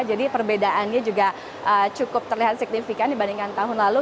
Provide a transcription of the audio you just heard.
jadi perbedaannya juga cukup terlihat signifikan dibandingkan tahun lalu